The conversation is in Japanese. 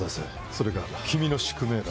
それが君の宿命だ。